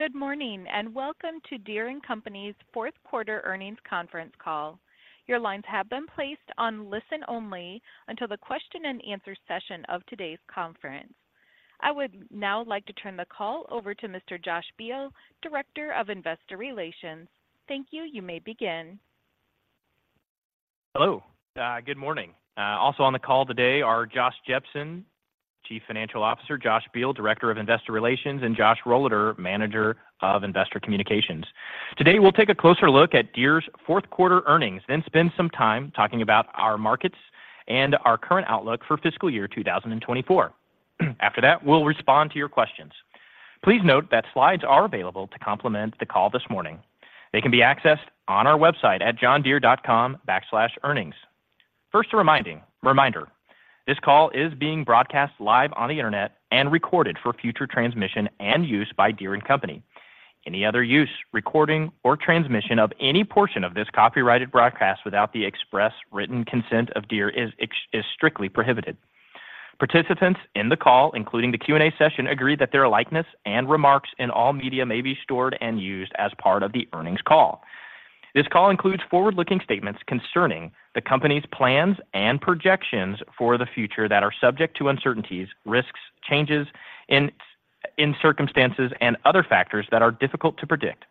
Good morning, and welcome to Deere & Company's Fourth Quarter Earnings Conference Call. Your lines have been placed on listen-only until the question-and-answer session of today's conference. I would now like to turn the call over to Mr. Josh Beal, Director of Investor Relations. Thank you. You may begin. Hello. Good morning. Also on the call today are Josh Jepsen, Chief Financial Officer, Josh Beal, Director of Investor Relations, and Josh Rohleder, Manager of Investor Communications. Today, we'll take a closer look at Deere's fourth quarter earnings, then spend some time talking about our markets and our current outlook for fiscal year 2024. After that, we'll respond to your questions. Please note that slides are available to complement the call this morning. They can be accessed on our website at johndeere.com/earnings. First, a reminder. This call is being broadcast live on the internet and recorded for future transmission and use by Deere & Company. Any other use, recording, or transmission of any portion of this copyrighted broadcast without the express written consent of Deere is strictly prohibited. Participants in the call, including the Q&A session, agree that their likeness and remarks in all media may be stored and used as part of the earnings call. This call includes forward-looking statements concerning the company's plans and projections for the future that are subject to uncertainties, risks, changes in circumstances, and other factors that are difficult to predict.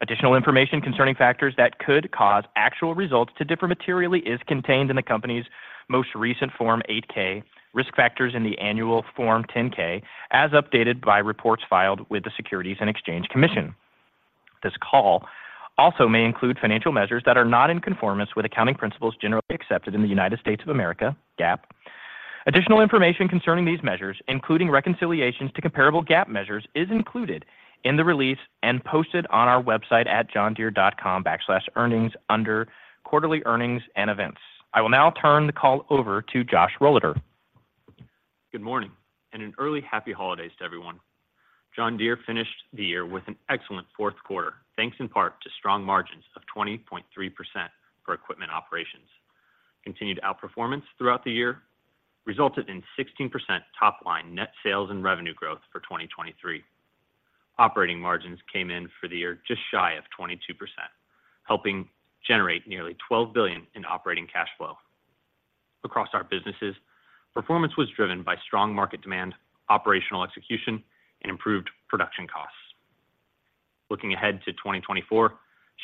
Additional information concerning factors that could cause actual results to differ materially is contained in the company's most recent Form 8-K, Risk Factors in the Annual Form 10-K, as updated by reports filed with the Securities and Exchange Commission. This call also may include financial measures that are not in conformance with accounting principles generally accepted in the United States of America, GAAP. Additional information concerning these measures, including reconciliations to comparable GAAP measures, is included in the release and posted on our website at johndeere.com/earnings under Quarterly Earnings and Events. I will now turn the call over to Josh Rohleder. Good morning, and an early happy holidays to everyone. John Deere finished the year with an excellent fourth quarter, thanks in part to strong margins of 20.3% for equipment operations. Continued outperformance throughout the year resulted in 16% top-line net sales and revenue growth for 2023. Operating margins came in for the year just shy of 22%, helping generate nearly $12 billion in operating cash flow. Across our businesses, performance was driven by strong market demand, operational execution, and improved production costs. Looking ahead to 2024,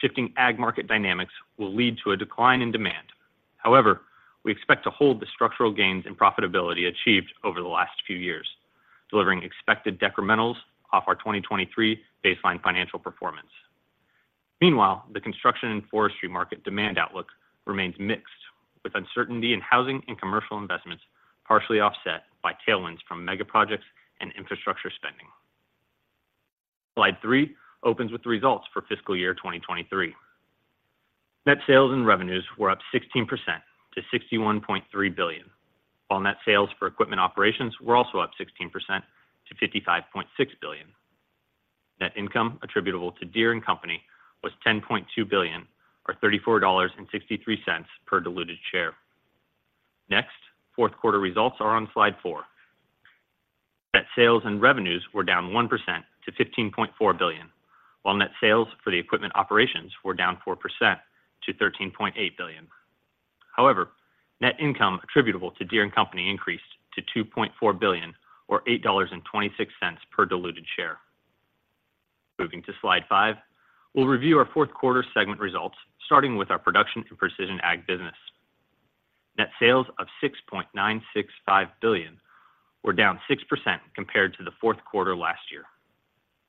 shifting ag market dynamics will lead to a decline in demand. However, we expect to hold the structural gains in profitability achieved over the last few years, delivering expected decrementals off our 2023 baseline financial performance. Meanwhile, the Construction and Forestry market demand outlook remains mixed, with uncertainty in housing and commercial investments partially offset by tailwinds from mega projects and infrastructure spending. Slide three opens with the results for fiscal year 2023. Net sales and revenues were up 16% to $61.3 billion, while net sales for equipment operations were also up 16% to $55.6 billion. Net income attributable to Deere & Company was $10.2 billion, or $34.63 per diluted share. Next, fourth quarter results are on Slide four. Net sales and revenues were down 1% to $15.4 billion, while net sales for the equipment operations were down 4% to $13.8 billion. However, net income attributable to Deere & Company increased to $2.4 billion, or $8.26 per diluted share. Moving to Slide five, we'll review our fourth quarter segment results, starting with our Production and Precision Ag business. Net sales of $6.965 billion were down 6% compared to the fourth quarter last year.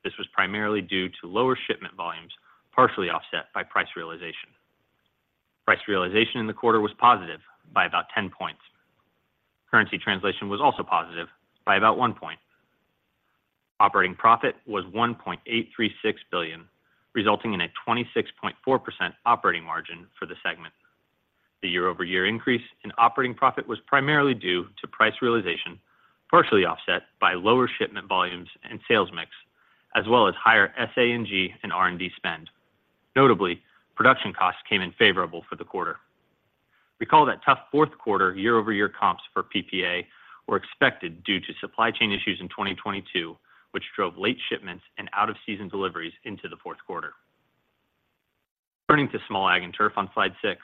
This was primarily due to lower shipment volumes, partially offset by price realization. Price realization in the quarter was positive by about 10 points. Currency translation was also positive by about one point. Operating profit was $1.836 billion, resulting in a 26.4% operating margin for the segment. The year-over-year increase in operating profit was primarily due to price realization, partially offset by lower shipment volumes and sales mix, as well as higher SG&A and R&D spend. Notably, production costs came in favorable for the quarter. Recall that tough fourth quarter year-over-year comps for PPA were expected due to supply chain issues in 2022, which drove late shipments and out-of-season deliveries into the fourth quarter. Turning to Small Ag and Turf on Slide six,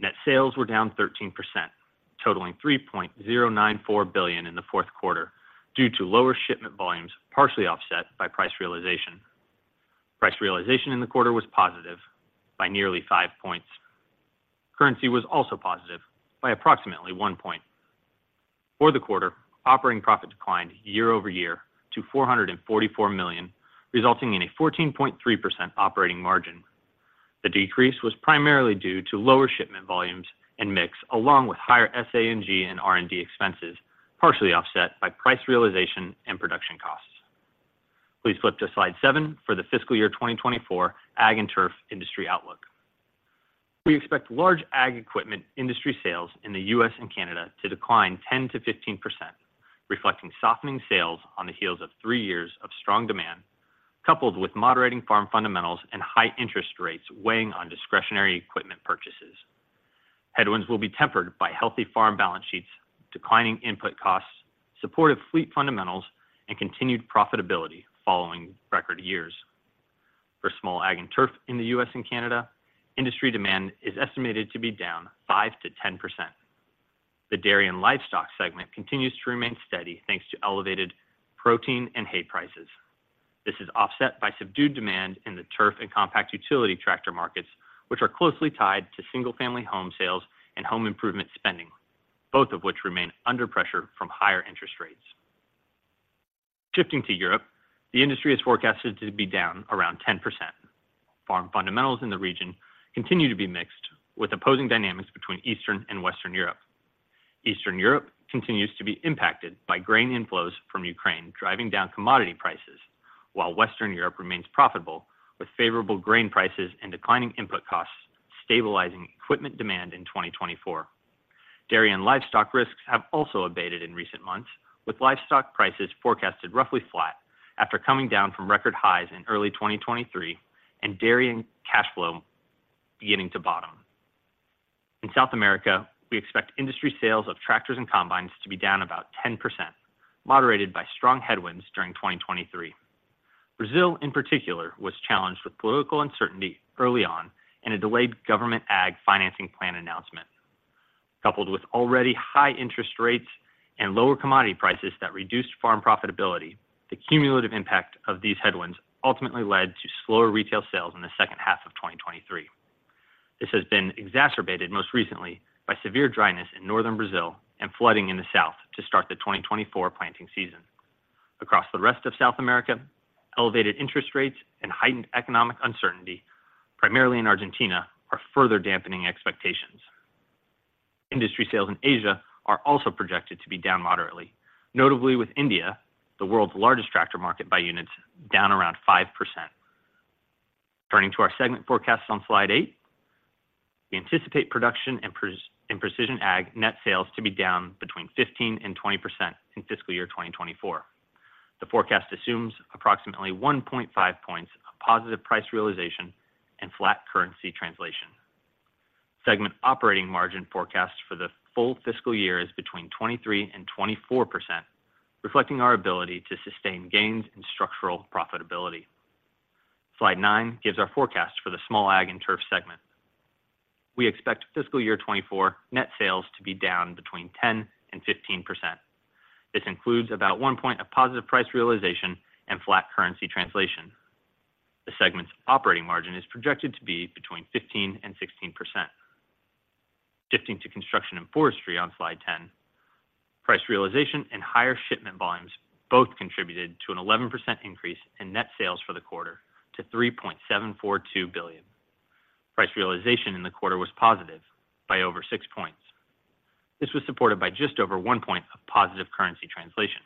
net sales were down 13%, totaling $3.094 billion in the fourth quarter, due to lower shipment volumes, partially offset by price realization. Price realization in the quarter was positive by nearly five points. Currency was also positive by approximately one point. For the quarter, operating profit declined year over year to $444 million, resulting in a 14.3% operating margin. The decrease was primarily due to lower shipment volumes and mix, along with higher SG&A and R&D expenses, partially offset by price realization and production costs. Please flip to slide seven for the fiscal year 2024 Ag and Turf industry outlook. We expect Large Ag equipment industry sales in the U.S. and Canada to decline 10%-15%, reflecting softening sales on the heels of three years of strong demand, coupled with moderating farm fundamentals and high interest rates weighing on discretionary equipment purchases. Headwinds will be tempered by healthy farm balance sheets, declining input costs, supportive fleet fundamentals, and continued profitability following record years. For Small Ag and Turf in the U.S. and Canada, industry demand is estimated to be down 5%-10%. The dairy and livestock segment continues to remain steady, thanks to elevated protein and hay prices. This is offset by subdued demand in the turf and compact utility tractor markets, which are closely tied to single-family home sales and home improvement spending, both of which remain under pressure from higher interest rates. Shifting to Europe, the industry is forecasted to be down around 10%. Farm fundamentals in the region continue to be mixed, with opposing dynamics between Eastern and Western Europe. Eastern Europe continues to be impacted by grain inflows from Ukraine, driving down commodity prices, while Western Europe remains profitable, with favorable grain prices and declining input costs stabilizing equipment demand in 2024. Dairy and livestock risks have also abated in recent months, with livestock prices forecasted roughly flat after coming down from record highs in early 2023 and dairy and cash flow beginning to bottom. In South America, we expect industry sales of tractors and combines to be down about 10%, moderated by strong headwinds during 2023. Brazil, in particular, was challenged with political uncertainty early on and a delayed government ag financing plan announcement. Coupled with already high interest rates and lower commodity prices that reduced farm profitability, the cumulative impact of these headwinds ultimately led to slower retail sales in the second half of 2023. This has been exacerbated most recently by severe dryness in northern Brazil and flooding in the south to start the 2024 planting season. Across the rest of South America, elevated interest rates and heightened economic uncertainty, primarily in Argentina, are further dampening expectations. Industry sales in Asia are also projected to be down moderately, notably with India, the world's largest tractor market by units, down around 5%. Turning to our segment forecasts on slide eight, we anticipate Production and Precision Ag net sales to be down between 15% and 20% in fiscal year 2024. The forecast assumes approximately 1.five points of positive price realization and flat currency translation. Segment operating margin forecast for the full fiscal year is between 23% and 24%, reflecting our ability to sustain gains in structural profitability. Slide nine gives our forecast for the Small Ag and Turf segment. We expect fiscal year 2024 net sales to be down between 10% and 15%. This includes about one point of positive price realization and flat currency translation. The segment's operating margin is projected to be between 15% and 16%. Shifting to Construction and Forestry on slide 10, price realization and higher shipment volumes both contributed to an 11% increase in net sales for the quarter to $3.742 billion. Price realization in the quarter was positive by over six points. This was supported by just over one point of positive currency translation.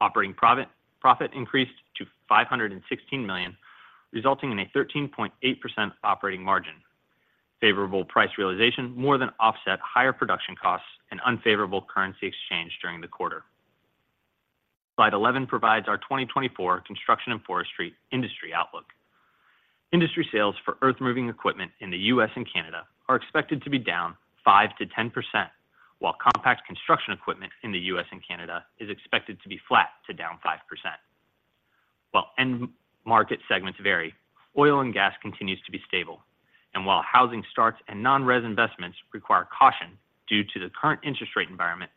Operating profit, profit increased to $516 million, resulting in a 13.8% operating margin. Favorable price realization more than offset higher production costs and unfavorable currency exchange during the quarter. Slide 11 provides our 2024 Construction and Forestry industry outlook. Industry sales for earthmoving equipment in the U.S. and Canada are expected to be down 5%-10%, while compact construction equipment in the U.S. and Canada is expected to be flat to down 5%. While end market segments vary, oil and gas continues to be stable, and while housing starts and non-res investments require caution due to the current interest rate environment,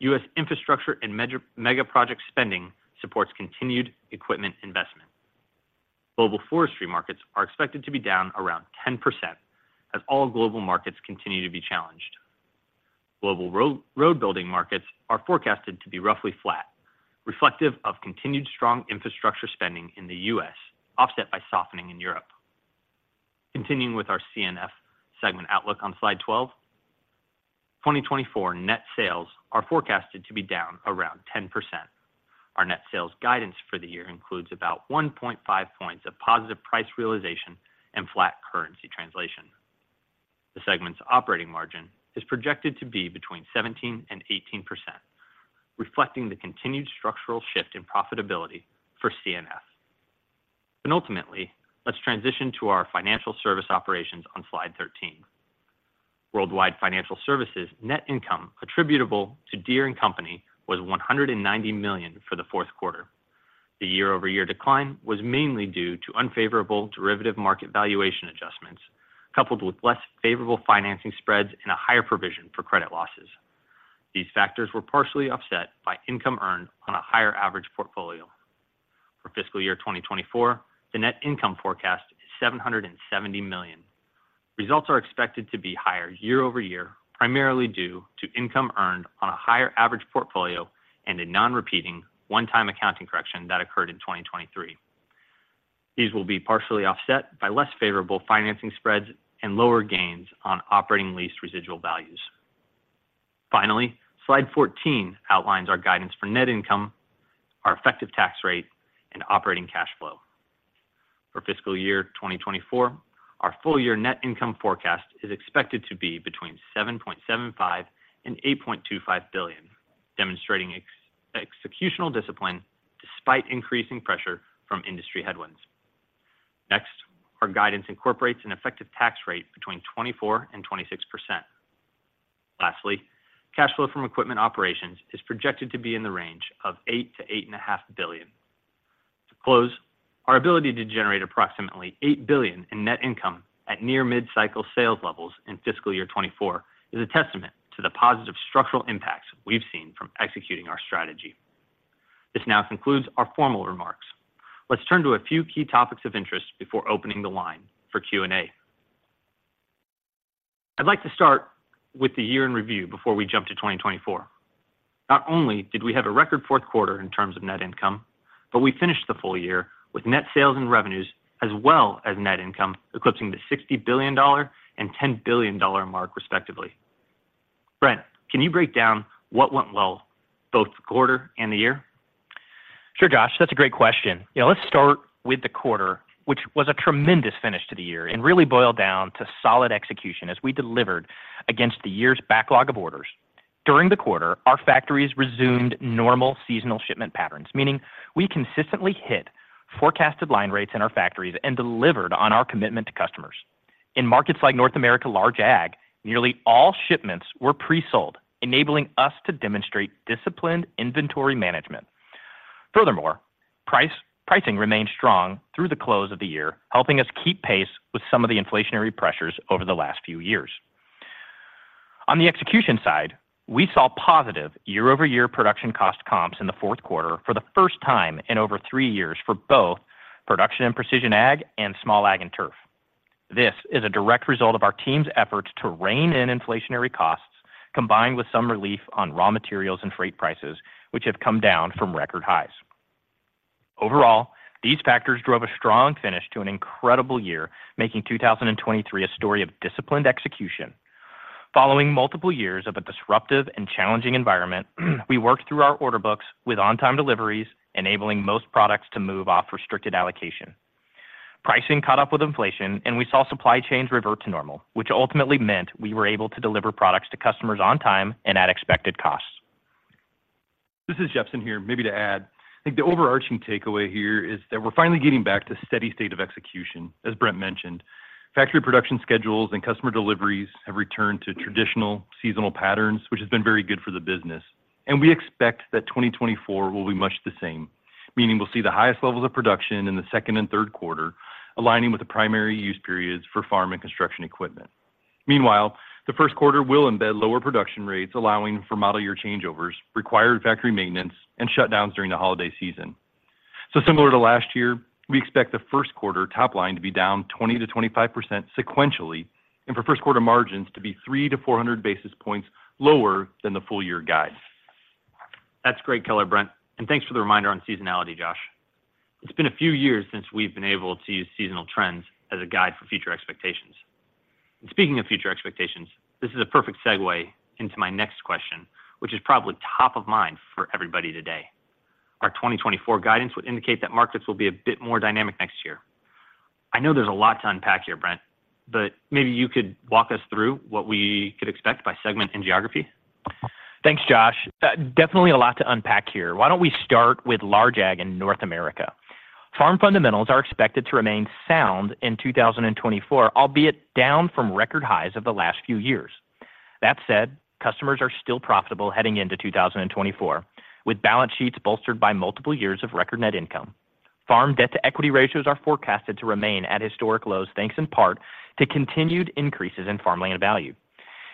U.S. infrastructure and mega, mega project spending supports continued equipment investment. Global forestry markets are expected to be down around 10%, as all global markets continue to be challenged. Global road, road building markets are forecasted to be roughly flat, reflective of continued strong infrastructure spending in the U.S., offset by softening in Europe. Continuing with our C&F segment outlook on Slide 12, 2024 net sales are forecasted to be down around 10%. Our net sales guidance for the year includes about 1.five points of positive price realization and flat currency translation. The segment's operating margin is projected to be between 17% and 18%, reflecting the continued structural shift in profitability for C&F. Ultimately, let's transition to our financial service operations on Slide 13. Worldwide financial services net income attributable to Deere & Company was $190 million for the fourth quarter. The year-over-year decline was mainly due to unfavorable derivative market valuation adjustments, coupled with less favorable financing spreads and a higher provision for credit losses. These factors were partially offset by income earned on a higher average portfolio. For fiscal year 2024, the net income forecast is $770 million. Results are expected to be higher year over year, primarily due to income earned on a higher average portfolio and a non-repeating one-time accounting correction that occurred in 2023. These will be partially offset by less favorable financing spreads and lower gains on operating lease residual values. Finally, Slide 14 outlines our guidance for net income, our effective tax rate, and operating cash flow. For fiscal year 2024, our full-year net income forecast is expected to be between $7.75 billion and $8.25 billion, demonstrating executional discipline despite increasing pressure from industry headwinds. Next, our guidance incorporates an effective tax rate between 24% and 26%. Lastly, cash flow from equipment operations is projected to be in the range of $8 billion to $8.5 billion. To close, our ability to generate approximately $8 billion in net income at near mid-cycle sales levels in fiscal year 2024 is a testament to the positive structural impacts we've seen from executing our strategy. This now concludes our formal remarks. Let's turn to a few key topics of interest before opening the line for Q&A. I'd like to start with the year in review before we jump to 2024. Not only did we have a record fourth quarter in terms of net income, but we finished the full year with net sales and revenues, as well as net income, eclipsing the $60 billion and $10 billion mark, respectively. Brent, can you break down what went well, both the quarter and the year? Sure, Josh, that's a great question. Yeah, let's start with the quarter, which was a tremendous finish to the year and really boiled down to solid execution as we delivered against the year's backlog of orders. During the quarter, our factories resumed normal seasonal shipment patterns, meaning we consistently hit forecasted line rates in our factories and delivered on our commitment to customers. In markets like North America, Large Ag, nearly all shipments were pre-sold, enabling us to demonstrate disciplined inventory management. Furthermore, pricing remained strong through the close of the year, helping us keep pace with some of the inflationary pressures over the last few years. On the execution side, we saw positive year-over-year production cost comps in the fourth quarter for the first time in over three years for both Production and Precision Ag and Small Ag and Turf. This is a direct result of our team's efforts to rein in inflationary costs, combined with some relief on raw materials and freight prices, which have come down from record highs. Overall, these factors drove a strong finish to an incredible year, making 2023 a story of disciplined execution. Following multiple years of a disruptive and challenging environment, we worked through our order books with on-time deliveries, enabling most products to move off restricted allocation. Pricing caught up with inflation, and we saw supply chains revert to normal, which ultimately meant we were able to deliver products to customers on time and at expected costs. This is Jepsen here. Maybe to add, I think the overarching takeaway here is that we're finally getting back to a steady state of execution. As Brent mentioned, factory production schedules and customer deliveries have returned to traditional seasonal patterns, which has been very good for the business, and we expect that 2024 will be much the same, meaning we'll see the highest levels of production in the second and third quarter, aligning with the primary use periods for farm and construction equipment. Meanwhile, the first quarter will embed lower production rates, allowing for model year changeovers, required factory maintenance, and shutdowns during the holiday season. So similar to last year, we expect the first quarter top line to be down 20%-25% sequentially, and for first quarter margins to be 300-400 basis points lower than the full-year guide. That's great color, Brent, and thanks for the reminder on seasonality, Josh. It's been a few years since we've been able to use seasonal trends as a guide for future expectations. Speaking of future expectations, this is a perfect segue into my next question, which is probably top of mind for everybody today. Our 2024 guidance would indicate that markets will be a bit more dynamic next year. I know there's a lot to unpack here, Brent, but maybe you could walk us through what we could expect by segment and geography. Thanks, Josh. Definitely a lot to unpack here. Why don't we start with Large Ag in North America? Farm fundamentals are expected to remain sound in 2024, albeit down from record highs of the last few years. That said, customers are still profitable heading into 2024, with balance sheets bolstered by multiple years of record net income. Farm debt-to-equity ratios are forecasted to remain at historic lows, thanks in part to continued increases in farmland value.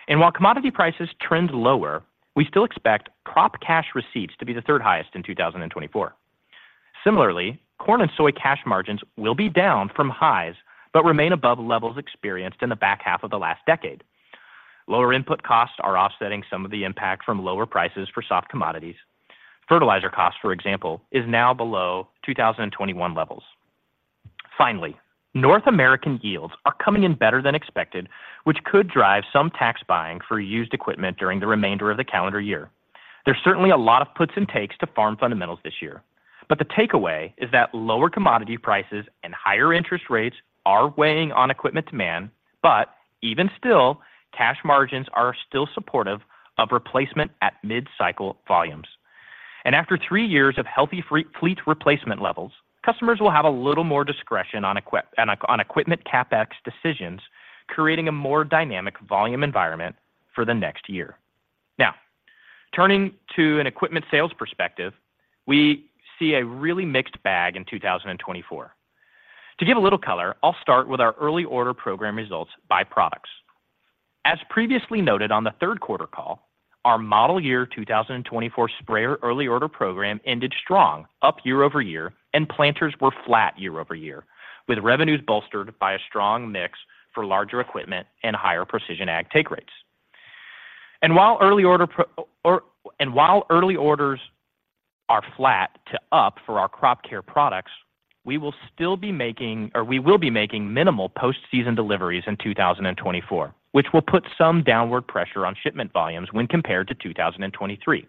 And while commodity prices trend lower, we still expect crop cash receipts to be the third highest in 2024. Similarly, corn and soy cash margins will be down from highs but remain above levels experienced in the back half of the last decade. Lower input costs are offsetting some of the impact from lower prices for soft commodities. Fertilizer costs, for example, is now below 2021 levels. Finally, North American yields are coming in better than expected, which could drive some tax buying for used equipment during the remainder of the calendar year. There's certainly a lot of puts and takes to farm fundamentals this year, but the takeaway is that lower commodity prices and higher interest rates are weighing on equipment demand, but even still, cash margins are still supportive of replacement at mid-cycle volumes. And after three years of healthy free-fleet replacement levels, customers will have a little more discretion on equip on equipment CapEx decisions, creating a more dynamic volume environment for the next year. Now, turning to an equipment sales perspective, we see a really mixed bag in 2024. To give a little color, I'll start with our Early Order Program results by products. As previously noted on the third quarter call, our model year 2024 sprayer early order program ended strong, up year-over-year, and planters were flat year-over-year, with revenues bolstered by a strong mix for larger equipment and higher precision ag take rates. And while early orders are flat to up for our crop care products, we will still be making minimal post-season deliveries in 2024, which will put some downward pressure on shipment volumes when compared to 2023.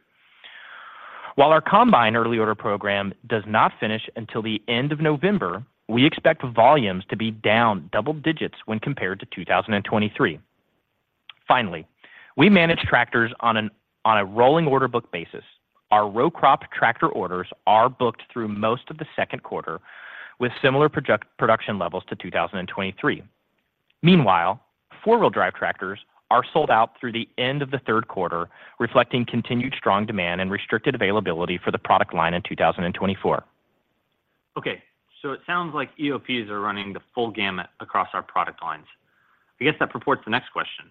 While our combine early order program does not finish until the end of November, we expect volumes to be down double digits when compared to 2023. Finally, we manage tractors on a rolling order book basis. Our row crop tractor orders are booked through most of the second quarter with similar product production levels to 2023. Meanwhile, four-wheel drive tractors are sold out through the end of the third quarter, reflecting continued strong demand and restricted availability for the product line in 2024. Okay, so it sounds like EOPs are running the full gamut across our product lines. I guess that prompts the next question: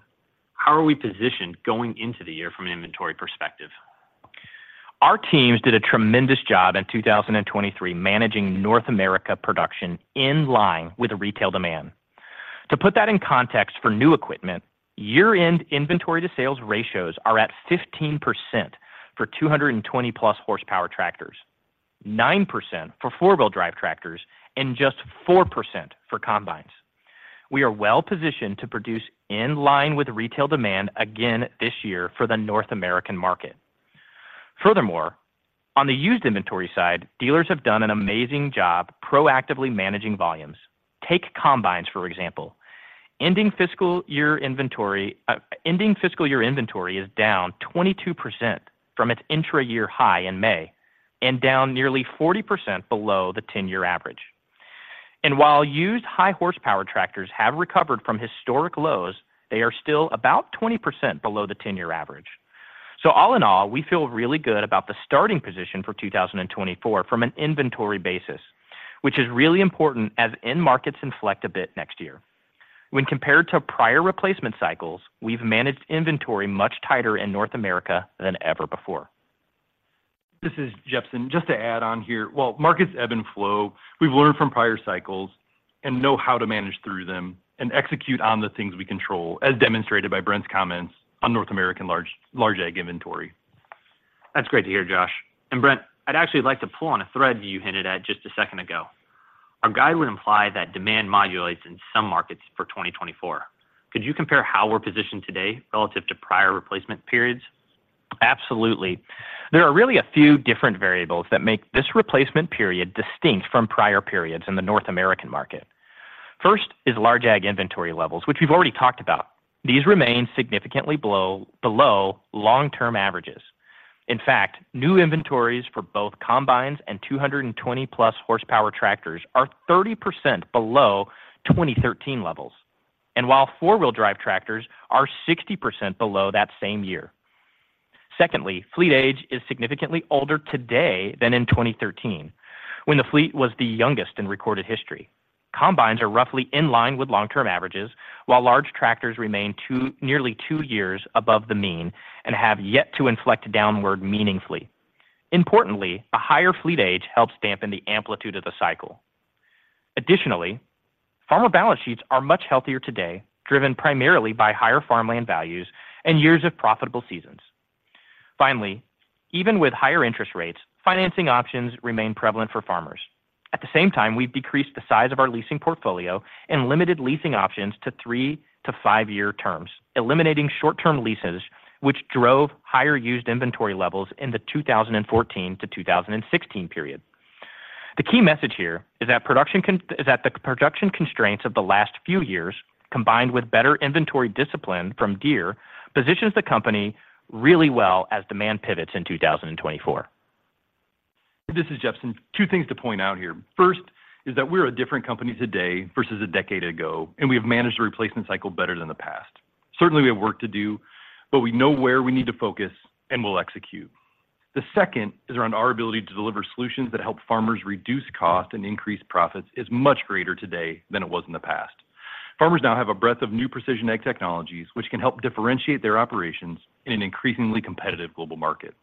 How are we positioned going into the year from an inventory perspective? Our teams did a tremendous job in 2023, managing North America production in line with the retail demand. To put that in context for new equipment, year-end inventory to sales ratios are at 15% for 220+ horsepower tractors, 9% for four-wheel drive tractors, and just 4% for combines. We are well-positioned to produce in line with retail demand again this year for the North American market. Furthermore, on the used inventory side, dealers have done an amazing job proactively managing volumes. Take combines, for example. Ending fiscal year inventory is down 22% from its intra-year high in May and down nearly 40% below the 10-year average. And while used high-horsepower tractors have recovered from historic lows, they are still about 20% below the 10-year average. So all in all, we feel really good about the starting position for 2024 from an inventory basis, which is really important as end markets inflect a bit next year. When compared to prior replacement cycles, we've managed inventory much tighter in North America than ever before. This is Jepsen. Just to add on here, well, markets ebb and flow. We've learned from prior cycles and know how to manage through them and execute on the things we control, as demonstrated by Brent's comments on North American large, Large Ag inventory. That's great to hear, Josh. And Brent, I'd actually like to pull on a thread you hinted at just a second ago. Our guide would imply that demand modulates in some markets for 2024. Could you compare how we're positioned today relative to prior replacement periods? Absolutely. There are really a few different variables that make this replacement period distinct from prior periods in the North American market. First is Large Ag inventory levels, which we've already talked about. These remain significantly below long-term averages. In fact, new inventories for both combines and 220+ horsepower tractors are 30% below 2013 levels, and while four-wheel drive tractors are 60% below that same year. Secondly, fleet age is significantly older today than in 2013, when the fleet was the youngest in recorded history. Combines are roughly in line with long-term averages, while large tractors remain nearly two years above the mean and have yet to inflect downward meaningfully. Importantly, a higher fleet age helps dampen the amplitude of the cycle. Additionally, farmer balance sheets are much healthier today, driven primarily by higher farmland values and years of profitable seasons. Finally, even with higher interest rates, financing options remain prevalent for farmers. At the same time, we've decreased the size of our leasing portfolio and limited leasing options to three to five year terms, eliminating short-term leases, which drove higher used inventory levels in the 2014-2016 period. The key message here is that the production constraints of the last few years, combined with better inventory discipline from Deere, positions the company really well as demand pivots in 2024. This is Jepsen. Two things to point out here. First is that we're a different company today versus a decade ago, and we have managed the replacement cycle better than the past. Certainly, we have work to do, but we know where we need to focus, and we'll execute. The second is around our ability to deliver solutions that help farmers reduce cost and increase profits is much greater today than it was in the past. Farmers now have a breadth of new precision ag technologies, which can help differentiate their operations in an increasingly competitive global market.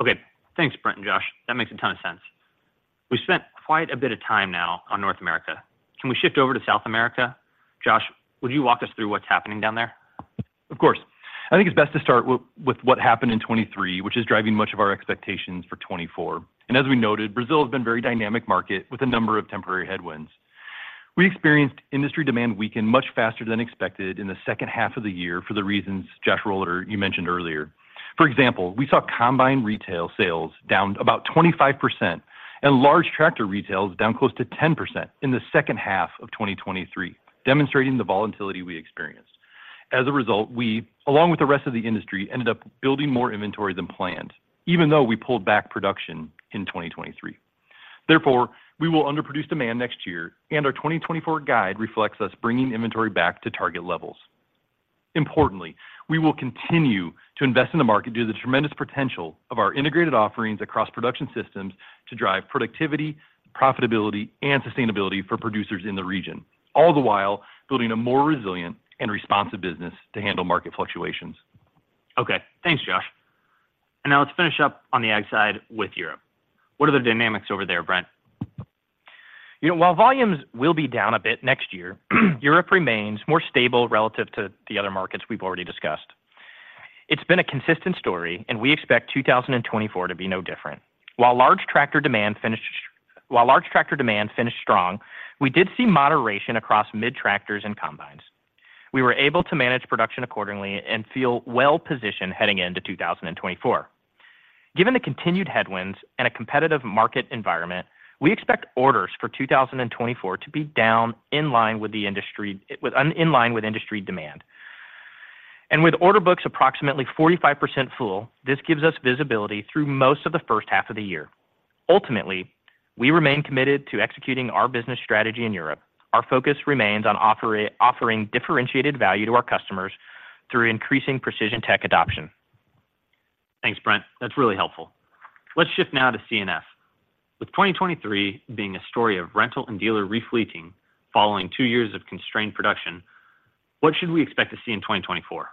Okay, thanks, Brent and Josh. That makes a ton of sense. We've spent quite a bit of time now on North America. Can we shift over to South America? Josh, would you walk us through what's happening down there? Of course. I think it's best to start with what happened in 2023, which is driving much of our expectations for 2024. As we noted, Brazil has been a very dynamic market with a number of temporary headwinds. We experienced industry demand weaken much faster than expected in the second half of the year for the reasons, Josh Rohleder, you mentioned earlier. For example, we saw combine retail sales down about 25% and large tractor retails down close to 10% in the second half of 2023, demonstrating the volatility we experienced. As a result, we, along with the rest of the industry, ended up building more inventory than planned, even though we pulled back production in 2023. Therefore, we will underproduce demand next year, and our 2024 guide reflects us bringing inventory back to target levels. Importantly, we will continue to invest in the market due to the tremendous potential of our integrated offerings across production systems to drive productivity, profitability, and sustainability for producers in the region, all the while building a more resilient and responsive business to handle market fluctuations. Okay, thanks, Josh. Now let's finish up on the ag side with Europe. What are the dynamics over there, Brent? You know, while volumes will be down a bit next year, Europe remains more stable relative to the other markets we've already discussed. It's been a consistent story, and we expect 2024 to be no different. While large tractor demand finished strong, we did see moderation across mid-tractors and combines. We were able to manage production accordingly and feel well-positioned heading into 2024. Given the continued headwinds and a competitive market environment, we expect orders for 2024 to be down in line with industry demand. And with order books approximately 45% full, this gives us visibility through most of the first half of the year. Ultimately, we remain committed to executing our business strategy in Europe. Our focus remains on offering differentiated value to our customers through increasing precision tech adoption. Thanks, Brent. That's really helpful. Let's shift now to C&F. With 2023 being a story of rental and dealer refleeting following two years of constrained production, what should we expect to see in 2024?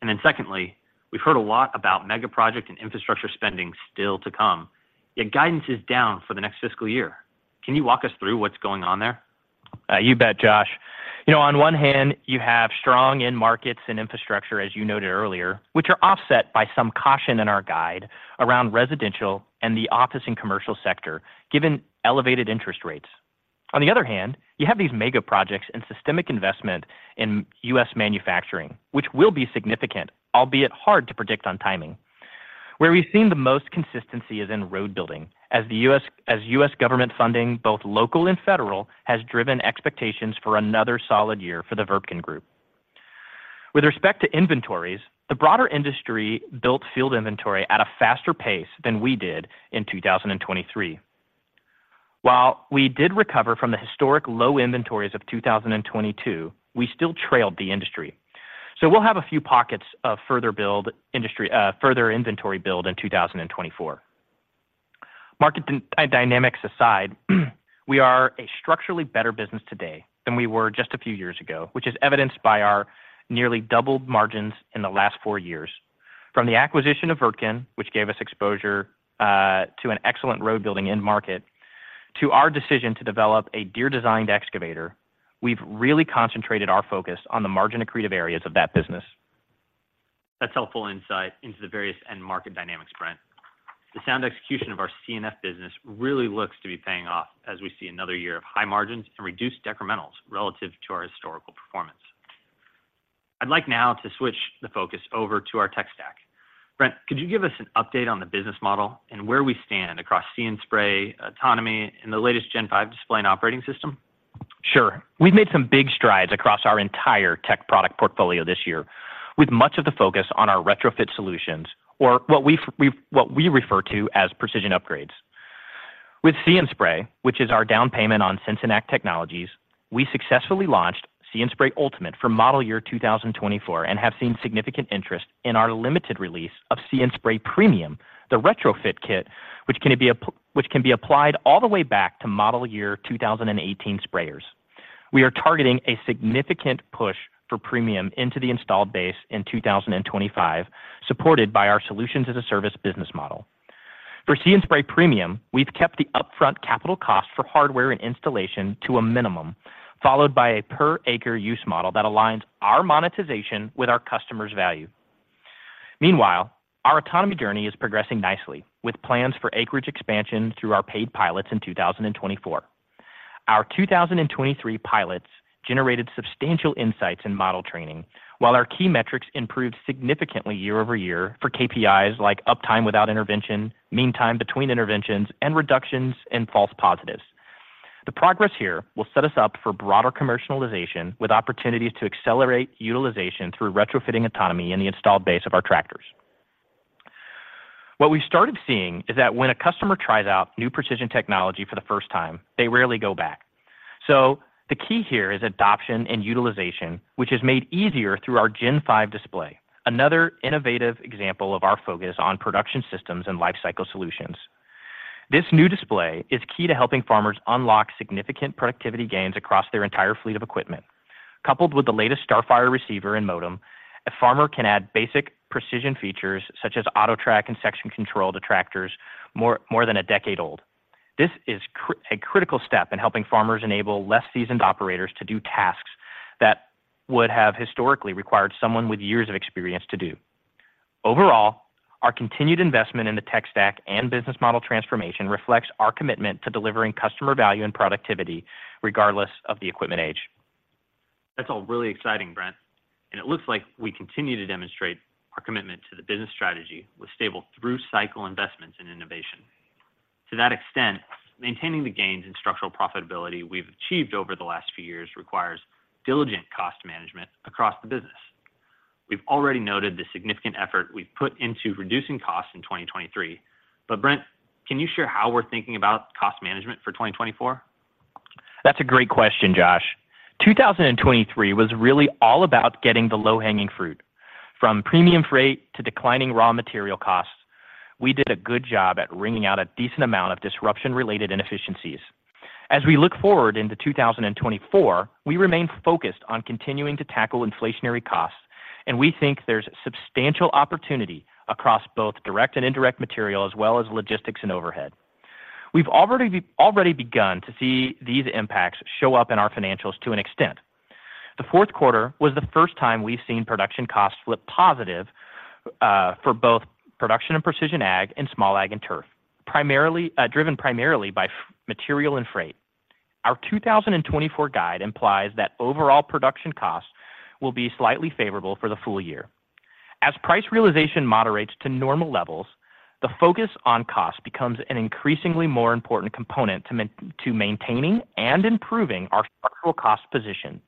And then secondly, we've heard a lot about mega project and infrastructure spending still to come, yet guidance is down for the next fiscal year. Can you walk us through what's going on there? You bet, Josh. You know, on one hand, you have strong end markets and infrastructure, as you noted earlier, which are offset by some caution in our guide around residential and the office and commercial sector, given elevated interest rates. On the other hand, you have these mega projects and systemic investment in U.S. manufacturing, which will be significant, albeit hard to predict on timing. Where we've seen the most consistency is in road building, as the U.S. government funding, both local and federal, has driven expectations for another solid year for the Wirtgen Group. With respect to inventories, the broader industry built field inventory at a faster pace than we did in 2023. While we did recover from the historic low inventories of 2022, we still trailed the industry. So we'll have a few pockets of further inventory build in 2024. Market dynamics aside, we are a structurally better business today than we were just a few years ago, which is evidenced by our nearly doubled margins in the last four years. From the acquisition of Wirtgen, which gave us exposure to an excellent road building end market, to our decision to develop a Deere-designed excavator, we've really concentrated our focus on the margin-accretive areas of that business. That's helpful insight into the various end market dynamics, Brent. The sound execution of our C&F business really looks to be paying off as we see another year of high margins and reduced decrementals relative to our historical performance. I'd like now to switch the focus over to our tech stack. Brent, could you give us an update on the business model and where we stand across See & Spray, autonomy, and the latest Gen five display and operating system? Sure. We've made some big strides across our entire tech product portfolio this year, with much of the focus on our retrofit solutions, or what we refer to as precision upgrades. With See & Spray, which is our down payment on Sense & Act technologies, we successfully launched See & Spray Ultimate for model year 2024, and have seen significant interest in our limited release of See & Spray Premium, the retrofit kit, which can be applied all the way back to model year 2018 sprayers. We are targeting a significant push for Premium into the installed base in 2025, supported by our solutions as a service business model. For See & Spray Premium, we've kept the upfront capital cost for hardware and installation to a minimum, followed by a per-acre use model that aligns our monetization with our customers' value. Meanwhile, our autonomy journey is progressing nicely, with plans for acreage expansion through our paid pilots in 2024. Our 2023 pilots generated substantial insights in model training, while our key metrics improved significantly year-over-year for KPIs like uptime without intervention, meantime between interventions, and reductions in false positives. The progress here will set us up for broader commercialization, with opportunities to accelerate utilization through retrofitting autonomy in the installed base of our tractors. What we started seeing is that when a customer tries out new precision technology for the first time, they rarely go back. So the key here is adoption and utilization, which is made easier through our Gen five Display, another innovative example of our focus on production systems and lifecycle solutions. This new display is key to helping farmers unlock significant productivity gains across their entire fleet of equipment. Coupled with the latest StarFire Receiver and modem, a farmer can add basic precision features such as AutoTrac and Section Control to tractors more than a decade old. This is a critical step in helping farmers enable less seasoned operators to do tasks that would have historically required someone with years of experience to do. Overall, our continued investment in the tech stack and business model transformation reflects our commitment to delivering customer value and productivity regardless of the equipment age. That's all really exciting, Brent, and it looks like we continue to demonstrate our commitment to the business strategy with stable through-cycle investments in innovation. To that extent, maintaining the gains in structural profitability we've achieved over the last few years requires diligent cost management across the business. We've already noted the significant effort we've put into reducing costs in 2023. But Brent, can you share how we're thinking about cost management for 2024? That's a great question, Josh. 2023 was really all about getting the low-hanging fruit. From premium freight to declining raw material costs, we did a good job at wringing out a decent amount of disruption-related inefficiencies. As we look forward into 2024, we remain focused on continuing to tackle inflationary costs, and we think there's substantial opportunity across both direct and indirect material, as well as logistics and overhead. We've already begun to see these impacts show up in our financials to an extent. The fourth quarter was the first time we've seen production costs flip positive for both Production and Precision Ag and Small Ag and Turf, primarily driven primarily by material and freight. Our 2024 guide implies that overall production costs will be slightly favorable for the full year. As price realization moderates to normal levels, the focus on cost becomes an increasingly more important component to maintaining and improving our structural cost position.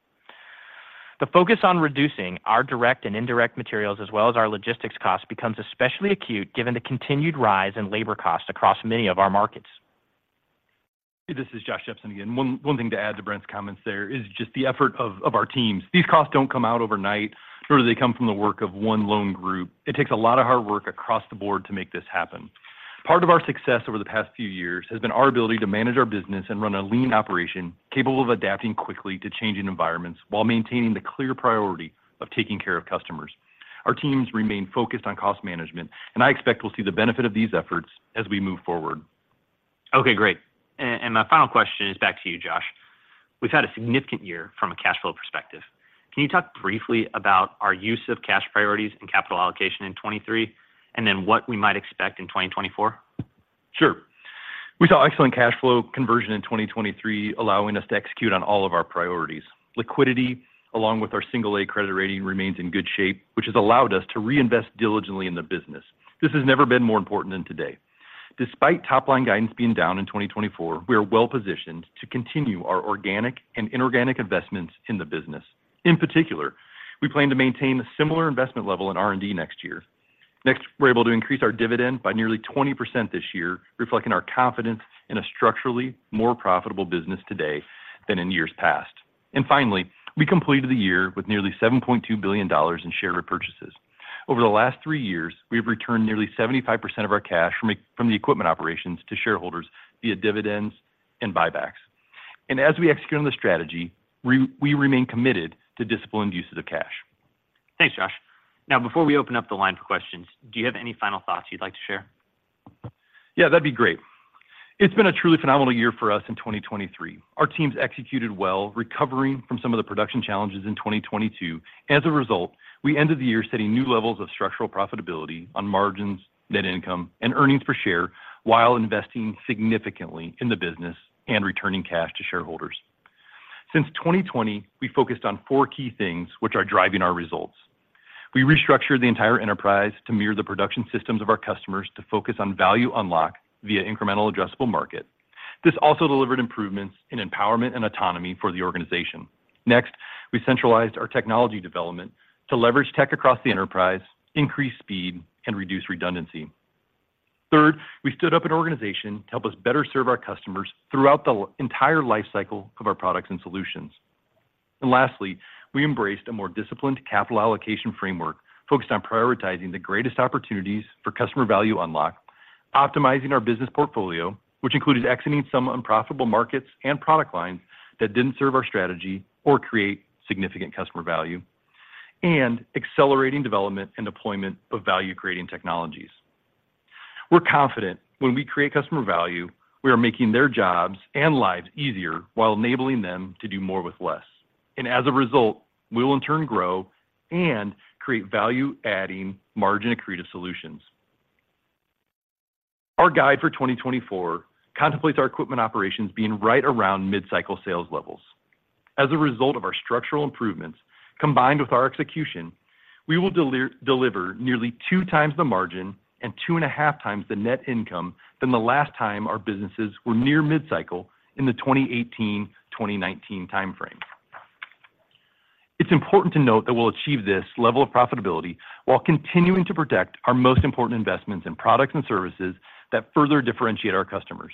The focus on reducing our direct and indirect materials, as well as our logistics costs, becomes especially acute, given the continued rise in labor costs across many of our markets. This is Josh Jepsen again. One thing to add to Brent's comments there is just the effort of our teams. These costs don't come out overnight, nor do they come from the work of one lone group. It takes a lot of hard work across the board to make this happen. Part of our success over the past few years has been our ability to manage our business and run a lean operation, capable of adapting quickly to changing environments while maintaining the clear priority of taking care of customers. Our teams remain focused on cost management, and I expect we'll see the benefit of these efforts as we move forward. Okay, great. And my final question is back to you, Josh. We've had a significant year from a cash flow perspective. Can you talk briefly about our use of cash priorities and capital allocation in 2023, and then what we might expect in 2024? Sure. We saw excellent cash flow conversion in 2023, allowing us to execute on all of our priorities. Liquidity, along with our single A credit rating, remains in good shape, which has allowed us to reinvest diligently in the business. This has never been more important than today. Despite top-line guidance being down in 2024, we are well positioned to continue our organic and inorganic investments in the business. In particular, we plan to maintain a similar investment level in R&D next year. Next, we're able to increase our dividend by nearly 20% this year, reflecting our confidence in a structurally more profitable business today than in years past. And finally, we completed the year with nearly $7.2 billion in share repurchases. Over the last three years, we have returned nearly 75% of our cash from the equipment operations to shareholders via dividends and buybacks. As we execute on the strategy, we remain committed to disciplined uses of cash. Thanks, Josh. Now, before we open up the line for questions, do you have any final thoughts you'd like to share? Yeah, that'd be great. It's been a truly phenomenal year for us in 2023. Our teams executed well, recovering from some of the production challenges in 2022. As a result, we ended the year setting new levels of structural profitability on margins, net income, and earnings per share, while investing significantly in the business and returning cash to shareholders. Since 2020, we focused on 4 key things which are driving our results. We restructured the entire enterprise to mirror the production systems of our customers to focus on value unlock via incremental addressable market. This also delivered improvements in empowerment and autonomy for the organization. Next, we centralized our technology development to leverage tech across the enterprise, increase speed, and reduce redundancy. Third, we stood up an organization to help us better serve our customers throughout the entire lifecycle of our products and solutions. And lastly, we embraced a more disciplined capital allocation framework, focused on prioritizing the greatest opportunities for customer value unlock, optimizing our business portfolio, which included exiting some unprofitable markets and product lines that didn't serve our strategy or create significant customer value, and accelerating development and deployment of value-creating technologies. We're confident when we create customer value, we are making their jobs and lives easier while enabling them to do more with less. And as a result, we will in turn grow and create value-adding, margin-accretive solutions. Our guide for 2024 contemplates our equipment operations being right around mid-cycle sales levels. As a result of our structural improvements, combined with our execution, we will deliver nearly 2 times the margin and 2.5 times the net income than the last time our businesses were near mid-cycle in the 2018, 2019 timeframe. It's important to note that we'll achieve this level of profitability while continuing to protect our most important investments in products and services that further differentiate our customers.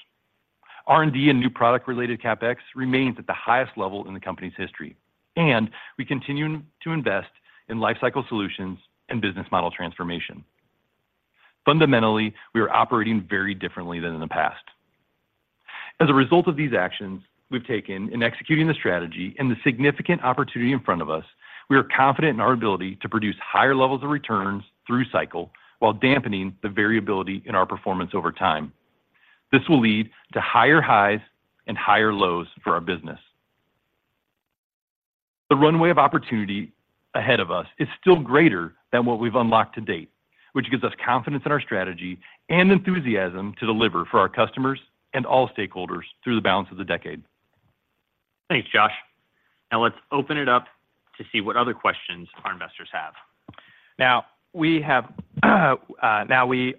R&D and new product-related CapEx remains at the highest level in the company's history, and we continue to invest in lifecycle solutions and business model transformation. Fundamentally, we are operating very differently than in the past. As a result of these actions we've taken in executing the strategy and the significant opportunity in front of us, we are confident in our ability to produce higher levels of returns through cycle while dampening the variability in our performance over time. This will lead to higher highs and higher lows for our business. The runway of opportunity ahead of us is still greater than what we've unlocked to date, which gives us confidence in our strategy and enthusiasm to deliver for our customers and all stakeholders through the balance of the decade. Thanks, Josh. Now, let's open it up to see what other questions our investors have. Now, we have, now we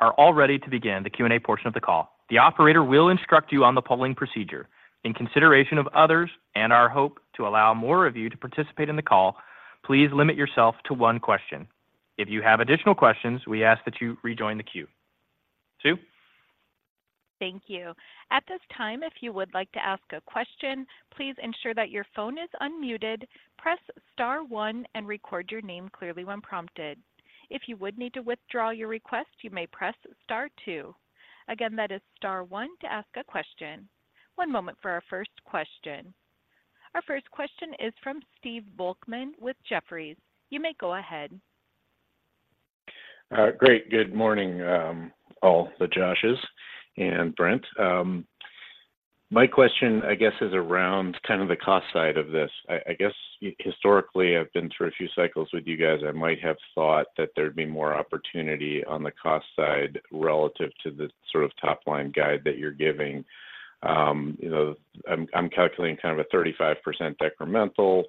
are all ready to begin the Q&A portion of the call. The operator will instruct you on the polling procedure. In consideration of others and our hope to allow more of you to participate in the call, please limit yourself to one question. If you have additional questions, we ask that you rejoin the queue. Sue? Thank you. At this time, if you would like to ask a question, please ensure that your phone is unmuted, press star one, and record your name clearly when prompted. If you would need to withdraw your request, you may press star two. Again, that is star one to ask a question. One moment for our first question. Our first question is from Stephen Volkmann with Jefferies. You may go ahead. Great. Good morning, all the Joshes and Brent. My question, I guess, is around kind of the cost side of this. I guess historically, I've been through a few cycles with you guys. I might have thought that there'd be more opportunity on the cost side relative to the sort of top-line guide that you're giving. You know, I'm calculating kind of a 35% incremental.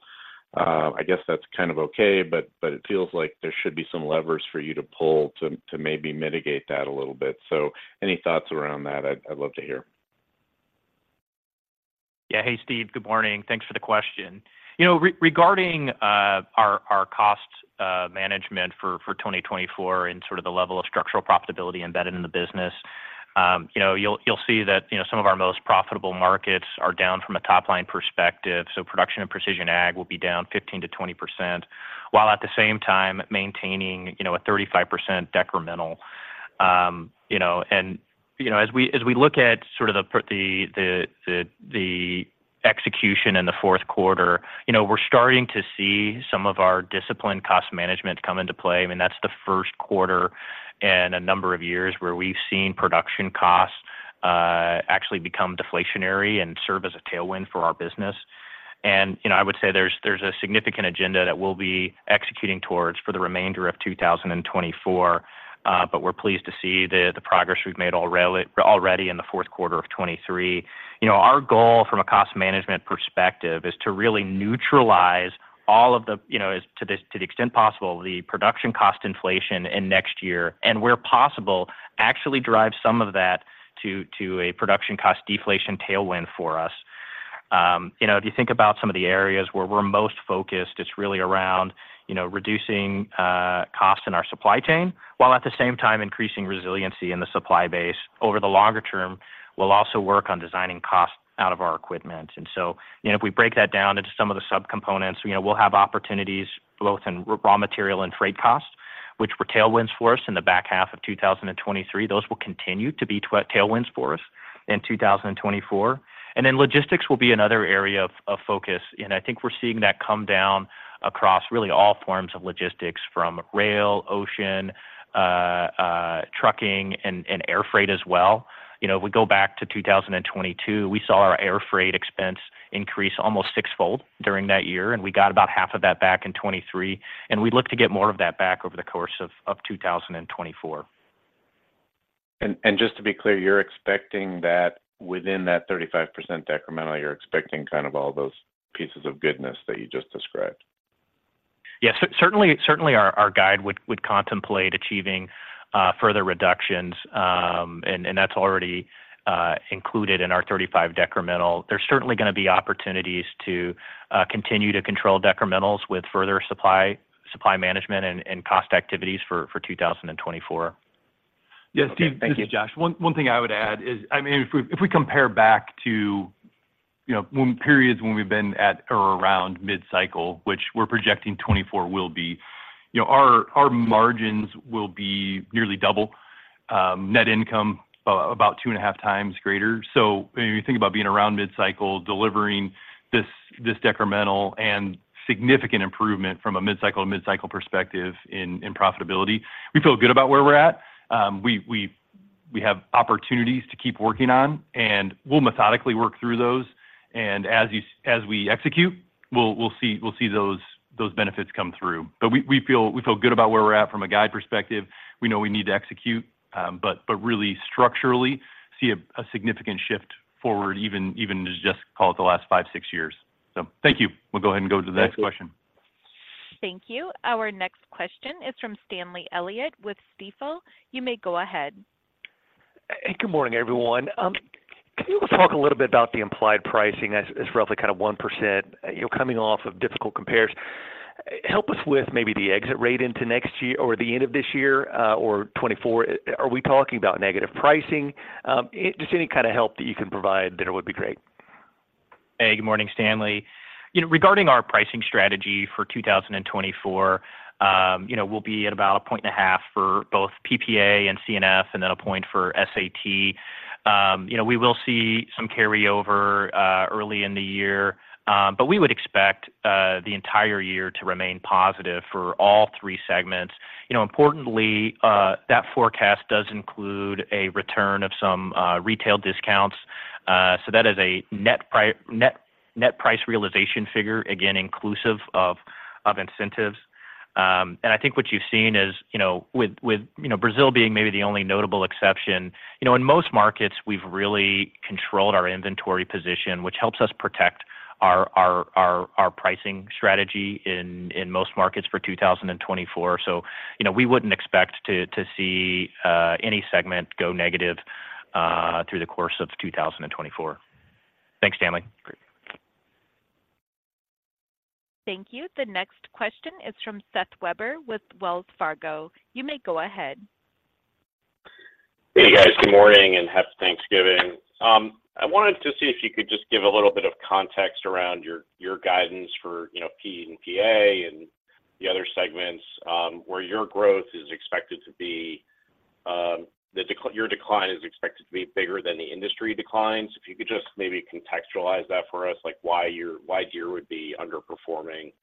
I guess that's kind of okay, but it feels like there should be some levers for you to pull to maybe mitigate that a little bit. So any thoughts around that, I'd love to hear. Yeah. Hey, Stephen, good morning. Thanks for the question. You know, regarding our cost management for 2024 and sort of the level of structural profitability embedded in the business, you know, you'll see that, you know, some of our most profitable markets are down from a top-line perspective. So Production and Precision Ag will be down 15%-20%, while at the same time maintaining, you know, a 35% decremental. You know, as we look at sort of the execution in the fourth quarter, you know, we're starting to see some of our disciplined cost management come into play, and that's the first quarter in a number of years where we've seen production costs actually become deflationary and serve as a tailwind for our business. You know, I would say there's a significant agenda that we'll be executing towards for the remainder of 2024, but we're pleased to see the progress we've made already in the fourth quarter of 2023. You know, our goal from a cost management perspective is to really neutralize all of the, you know, to the extent possible, the production cost inflation in next year, and where possible, actually drive some of that to a production cost deflation tailwind for us. You know, if you think about some of the areas where we're most focused, it's really around, you know, reducing costs in our supply chain, while at the same time increasing resiliency in the supply base. Over the longer term, we'll also work on designing costs out of our equipment. And so, you know, if we break that down into some of the subcomponents, you know, we'll have opportunities both in raw material and freight costs, which were tailwinds for us in the back half of 2023. Those will continue to be tailwinds for us in 2024. And then logistics will be another area of focus, and I think we're seeing that come down across really all forms of logistics from rail, ocean, trucking, and air freight as well. You know, if we go back to 2022, we saw our air freight expense increase almost sixfold during that year, and we got about half of that back in 2023, and we look to get more of that back over the course of 2024. And just to be clear, you're expecting that within that 35% decremental, you're expecting kind of all those pieces of goodness that you just described? Yeah. So certainly our guide would contemplate achieving further reductions, and that's already included in our 35 decremental. There's certainly gonna be opportunities to continue to control decrementals with further supply management and cost activities for 2024. Yes, Stephen Thank you. This is Josh. One thing I would add is, I mean, if we compare back to, you know, periods when we've been at or around mid-cycle, which we're projecting 2024 will be, you know, our margins will be nearly double, net income, about two and a half times greater. So when you think about being around mid-cycle, delivering this decremental and significant improvement from a mid-cycle perspective in profitability, we feel good about where we're at. We have opportunities to keep working on, and we'll methodically work through those. And as we execute, we'll see those benefits come through. But we feel good about where we're at from a guide perspective. We know we need to execute, but really structurally, see a significant shift forward, even just call it the last 5-6 years. So thank you. We'll go ahead and go to the next question. Thank you. Our next question is from Stanley Elliott with Stifel. You may go ahead. Hey, good morning, everyone. Can you talk a little bit about the implied pricing as, as roughly kind of 1%, you know, coming off of difficult compares? Help us with maybe the exit rate into next year or the end of this year, or 2024. Are we talking about negative pricing? Just any kind of help that you can provide, that would be great. Hey, good morning, Stanley. You know, regarding our pricing strategy for 2024, you know, we'll be at about 1.5 for both PPA and C&F, and then 1 for SAT. You know, we will see some carryover early in the year, but we would expect the entire year to remain positive for all three segments. You know, importantly, that forecast does include a return of some retail discounts. So that is a net price realization figure, again, inclusive of incentives. And I think what you've seen is, you know, with you know, Brazil being maybe the only notable exception, you know, in most markets, we've really controlled our inventory position, which helps us protect our pricing strategy in most markets for 2024. You know, we wouldn't expect to see any segment go negative through the course of 2024. Thanks, Stanley. Great. Thank you. The next question is from Seth Weber with Wells Fargo. You may go ahead. Hey, guys. Good morning and happy Thanksgiving. I wanted to see if you could just give a little bit of context around your guidance for, you know, P&PA and the other segments, where your growth is expected to be, your decline is expected to be bigger than the industry declines. If you could just maybe contextualize that for us, like, why Deere would be underperforming,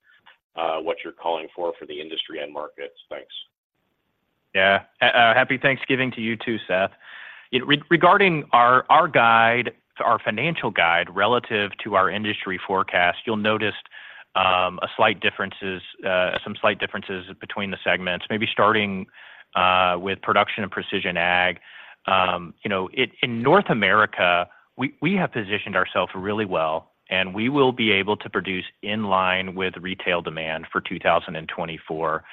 what you're calling for for the industry end markets? Thanks. Yeah. Happy Thanksgiving to you too, Seth. Regarding our guide, our financial guide, relative to our industry forecast, you'll notice a slight differences, some slight differences between the segments, maybe starting with Production and Precision Ag. You know, in North America, we have positioned ourselves really well, and we will be able to produce in line with retail demand for 2024.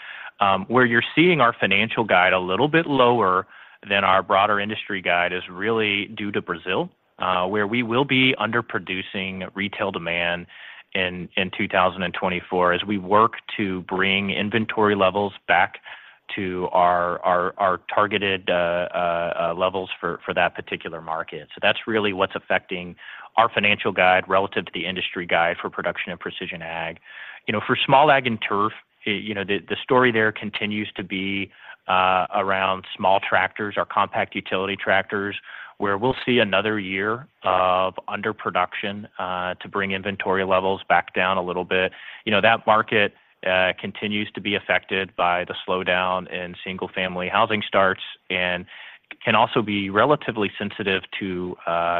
Where you're seeing our financial guide a little bit lower than our broader industry guide is really due to Brazil, where we will be underproducing retail demand in 2024 as we work to bring inventory levels back to our targeted levels for that particular market. So that's really what's affecting our financial guide relative to the industry guide for Production and Precision Ag. You know, for Small Ag and Turf, you know, the story there continues to be around small tractors or compact utility tractors, where we'll see another year of underproduction to bring inventory levels back down a little bit. You know, that market continues to be affected by the slowdown in single-family housing starts and can also be relatively sensitive to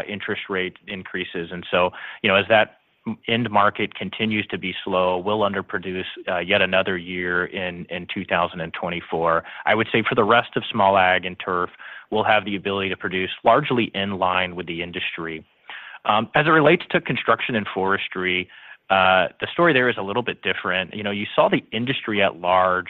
interest rate increases. And so, you know, as that end market continues to be slow, we'll underproduce yet another year in 2024. I would say for the rest of Small Ag and Turf, we'll have the ability to produce largely in line with the industry. As it relates to Construction and Forestry, the story there is a little bit different. You know, you saw the industry at large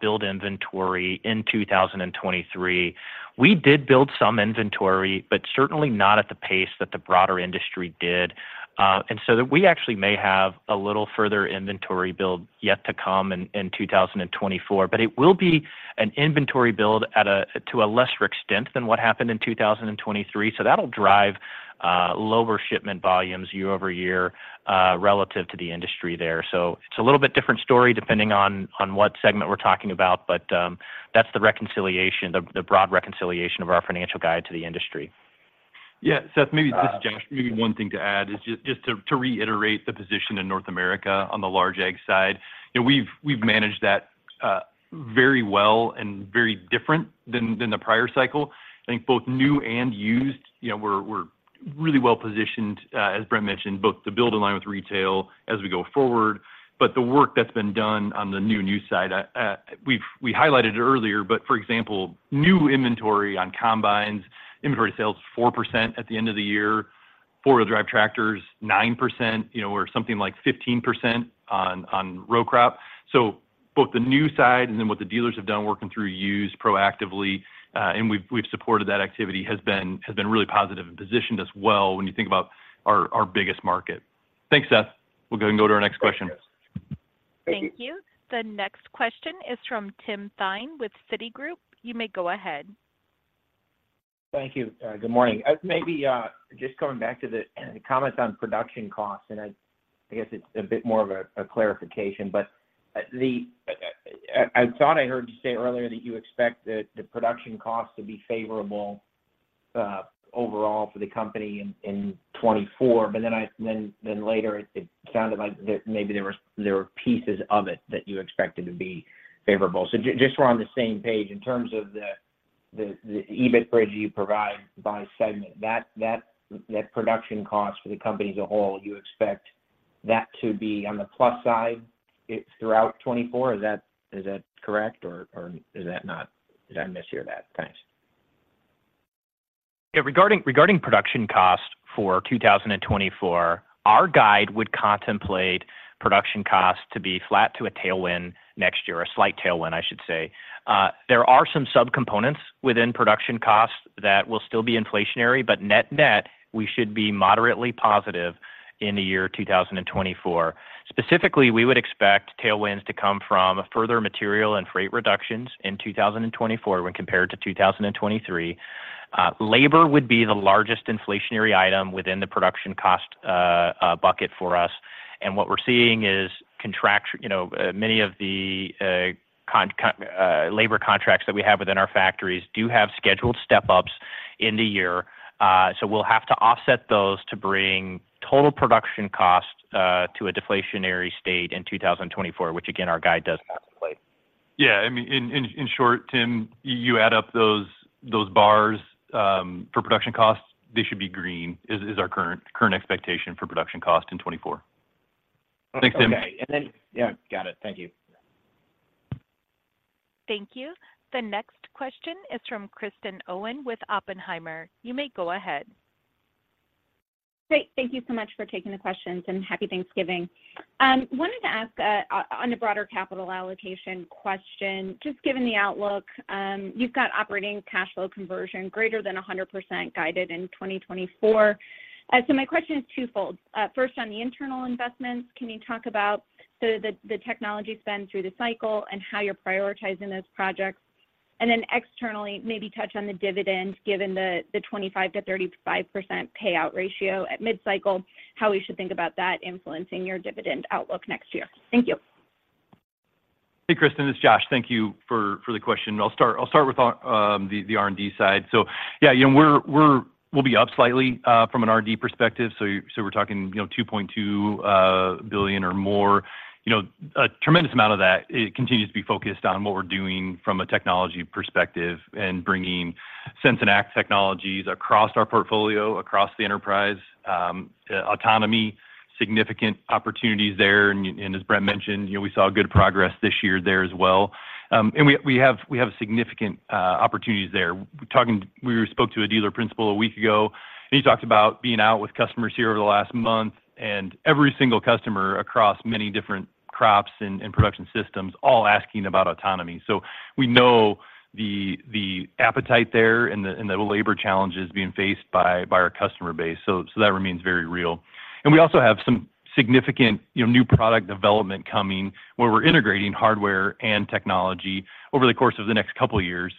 build inventory in 2023. We did build some inventory, but certainly not at the pace that the broader industry did. And so we actually may have a little further inventory build yet to come in 2024, but it will be an inventory build to a lesser extent than what happened in 2023. So that'll drive lower shipment volumes year over year relative to the industry there. So it's a little bit different story, depending on what segment we're talking about, but that's the reconciliation, the broad reconciliation of our financial guide to the industry. Yeah, Seth, maybe just maybe one thing to add is just to reiterate the position in North America on the Large Ag side. You know, we've managed that very well and very different than the prior cycle. I think both new and used, you know, we're really well positioned, as Brent mentioned, both to build in line with retail as we go forward, but the work that's been done on the new side, we highlighted it earlier. But for example, new inventory on combines, inventory sales, 4% at the end of the year, four-wheel drive tractors, 9%, you know, or something like 15% on row crop. So both the new side and then what the dealers have done working through used proactively, and we've supported that activity has been really positive and positioned us well when you think about our biggest market. Thanks, Seth. We'll go to our next question. Thank you. The next question is from Tim Thein with Citigroup. You may go ahead. Thank you. Good morning. Maybe just going back to the comments on production costs, and I guess it's a bit more of a clarification, but I thought I heard you say earlier that you expect the production costs to be favorable overall for the company in 2024. But then later, it sounded like maybe there were pieces of it that you expected to be favorable. So just so we're on the same page, in terms of the EBIT bridge you provide by segment, that production cost for the company as a whole, you expect that to be on the plus side throughout 2024? Is that correct, or is that not did I mishear that? Thanks. Yeah, regarding production cost for 2024, our guide would contemplate production cost to be flat to a tailwind next year, a slight tailwind, I should say. There are some subcomponents within production costs that will still be inflationary, but net-net, we should be moderately positive in the year 2024. Specifically, we would expect tailwinds to come from further material and freight reductions in 2024 when compared to 2023. Labor would be the largest inflationary item within the production cost bucket for us. And what we're seeing is contract you know, many of the labor contracts that we have within our factories do have scheduled step-ups in the year. We'll have to offset those to bring total production costs to a deflationary state in 2024, which again, our guide does contemplate. Yeah, I mean, in short, Tim, you add up those bars for production costs, they should be green, is our current expectation for production cost in 2024. Thanks, Tim. Okay. Yeah, got it. Thank you. Thank you. The next question is from Kristen Owen with Oppenheimer. You may go ahead. Great. Thank you so much for taking the questions, and Happy Thanksgiving. Wanted to ask, on a broader capital allocation question, just given the outlook, you've got operating cash flow conversion greater than 100% guided in 2024. So my question is twofold. First, on the internal investments, can you talk about the technology spend through the cycle and how you're prioritizing those projects? And then externally, maybe touch on the dividend, given the 25%-35% payout ratio at mid-cycle, how we should think about that influencing your dividend outlook next year? Thank you. Hey, Kristen, it's Josh. Thank you for the question. I'll start with the R&D side. So yeah, you know, we'll be up slightly from an R&D perspective. So we're talking, you know, $2.2 billion or more. You know, a tremendous amount of that continues to be focused on what we're doing from a technology perspective and bringing Sense & Act technologies across our portfolio, across the enterprise, autonomy, significant opportunities there. And as Brent mentioned, you know, we saw good progress this year there as well. And we have significant opportunities there. We spoke to a dealer principal a week ago, and he talked about being out with customers here over the last month, and every single customer across many different crops and, and production systems, all asking about autonomy. So we know the, the appetite there and the, and the labor challenges being faced by, by our customer base. So, so that remains very real. And we also have some significant, you know, new product development coming, where we're integrating hardware and technology over the course of the next couple of years.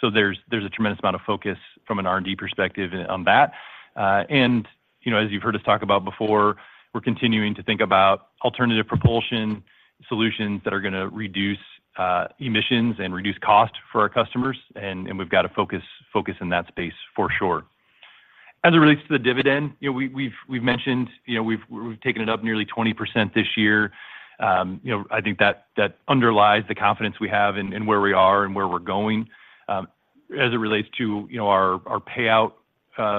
So there's, there's a tremendous amount of focus from an R&D perspective on that. And, you know, as you've heard us talk about before, we're continuing to think about alternative propulsion solutions that are gonna reduce, emissions and reduce cost for our customers, and, and we've got to focus, focus in that space for sure. As it relates to the dividend, you know, we've mentioned, you know, we've taken it up nearly 20% this year. You know, I think that underlies the confidence we have in where we are and where we're going. As it relates to, you know, our payout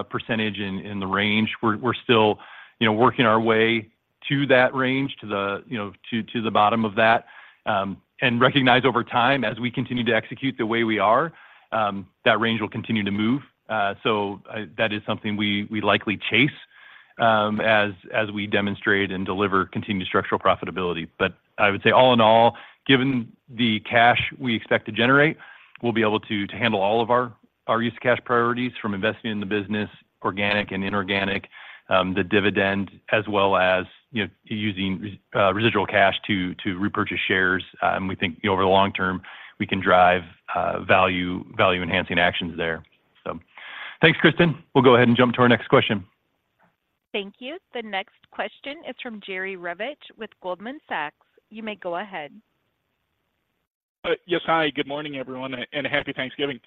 percentage in the range, we're still, you know, working our way to that range, to the bottom of that. And recognize over time, as we continue to execute the way we are, that range will continue to move. So, that is something we likely chase, as we demonstrate and deliver continued structural profitability. But I would say, all in all, given the cash we expect to generate, we'll be able to handle all of our use of cash priorities, from investing in the business, organic and inorganic, the dividend, as well as, you know, using residual cash to repurchase shares. And we think over the long term, we can drive value, value-enhancing actions there. So thanks, Kristen. We'll go ahead and jump to our next question. Thank you. The next question is from Jerry Revich with Goldman Sachs. You may go ahead. Yes. Hi, good morning, everyone, and happy Thanksgiving.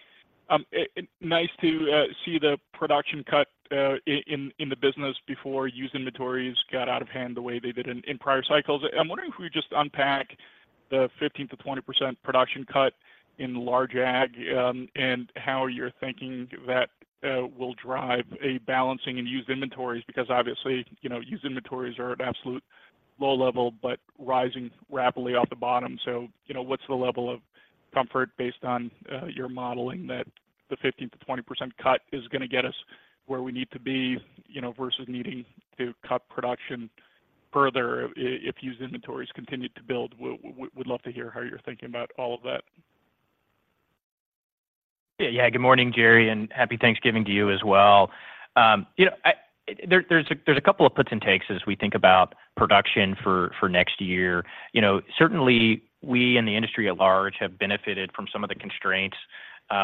Nice to see the production cut in the business before used inventories got out of hand the way they did in prior cycles. I'm wondering if we just unpack the 15%-20% production cut in Large Ag, and how you're thinking that will drive a balancing in used inventories. Because obviously, you know, used inventories are at absolute low level, but rising rapidly off the bottom. So, you know, what's the level of comfort based on your modeling that the 15%-20% cut is gonna get us where we need to be, you know, versus needing to cut production further if used inventories continue to build? We'd love to hear how you're thinking about all of that. Yeah, good morning, Jerry, and Happy Thanksgiving to you as well. You know, there's a couple of puts and takes as we think about production for next year. You know, certainly, we and the industry at large have benefited from some of the constraints,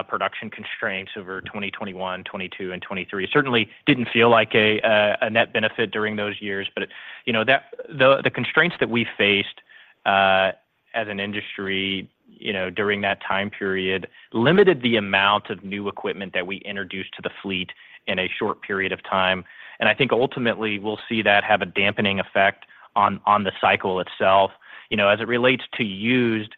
production constraints over 2020, 2021, 2022, and 2023. Certainly didn't feel like a net benefit during those years. But, you know, the constraints that we faced as an industry, you know, during that time period, limited the amount of new equipment that we introduced to the fleet in a short period of time. And I think ultimately, we'll see that have a dampening effect on the cycle itself. You know, as it relates to used,